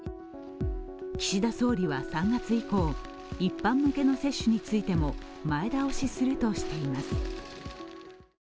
岸田総理は３月以降、一般向けの接種についても前倒しするとしています。